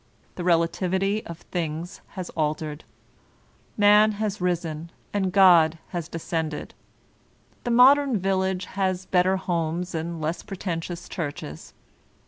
The relativity of things has altered: Man has risen and God has descended. The modem village has better homes and less pretentious churches.